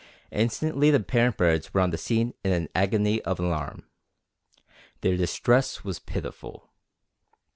Instantly the parent birds were on the scene in an agony of alarm. Their distress was pitiful.